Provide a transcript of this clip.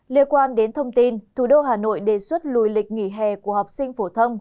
liên quan đến thông tin thủ đô hà nội đề xuất lùi lịch nghỉ hè của học sinh phổ thông